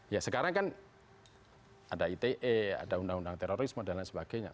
ya sekarang kan ada ite ada undang undang terorisme dan lain sebagainya